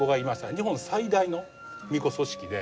日本最大の巫女組織で。